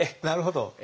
なるほど。